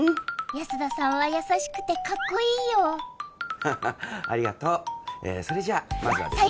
安田さんはやさしくてかっこいいよははありがとうそれじゃあまずはですね